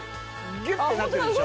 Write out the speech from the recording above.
ギュッてなってるでしょ。